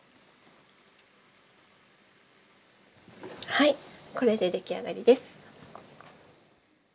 はいこれで出来上がりです。